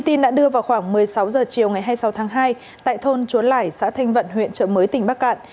trong chiều ngày hai mươi sáu tháng hai tại thôn chúa lải xã thanh vận huyện trợ mới tỉnh bắc cạn